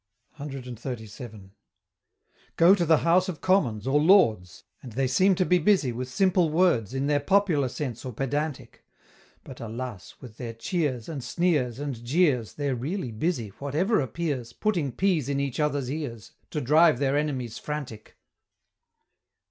CXXXVII. Go to the House of Commons, or Lords, And they seem to be busy with simple words In their popular sense or pedantic But, alas! with their cheers, and sneers, and jeers, They're really busy, whatever appears, Putting peas in each other's ears, To drive their enemies frantic!